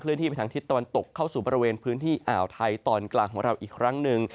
ที่ไปทางทิศตะวันตกเข้าสู่บริเวณพื้นที่อ่าวไทยตอนกลางของเราอีกครั้งหนึ่ง